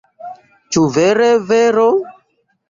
Ĉu vere vero?